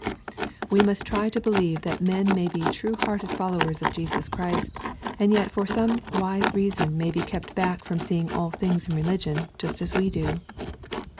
We must try to believe that men may be true hearted followers of Jesus Christ, and yet for some wise reason may be kept back from seeing all things in religion just as we do.